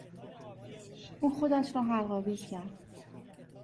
او خودش را حلق آویز کرد.